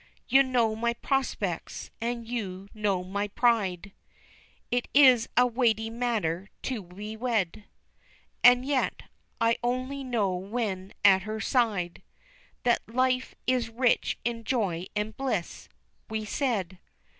You know my prospects and you know my pride, (It is a weighty matter to be wed) And yet, I only know when at her side That life is rich in joy and bliss," we said.